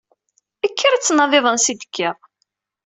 Kker ad tnadiḍ ansi d-tekkiḍ.